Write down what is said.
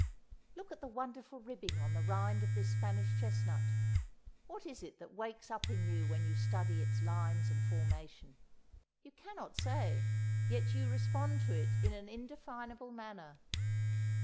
Look at the wonderful ribbing on the rind of this Spanish chestnut; what is it that wakes up in you when you study its lines and formation? You cannot say, yet you respond to it in an indefinable manner.